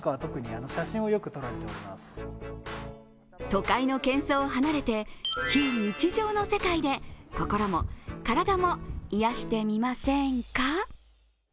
都会のけん騒を離れて非日常の世界で心も体も癒やしてみませんか？